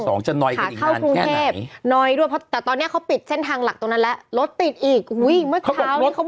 สองจะนอยกันอีกนานแค่ไหนนอยด้วยเพราะแต่ตอนนี้เขาปิดเส้นทางหลักตรงนั้นละรถติดอีกอุ้ยเมื่อเท้านี้เขาบอก